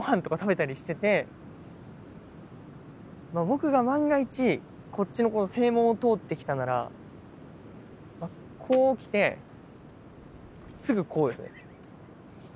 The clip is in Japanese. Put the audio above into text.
僕が万が一こっちのこの正門を通ってきたならこう来てすぐこうですね。